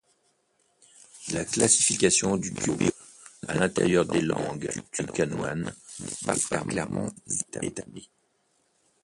La classification du cubeo à l'intérieur des langues tucanoanes n'est pas clairement établie.